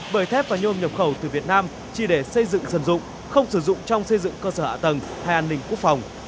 bởi thép và nhôm nhập khẩu từ việt nam chỉ để xây dựng dân dụng không sử dụng trong xây dựng cơ sở hạ tầng hay an ninh quốc phòng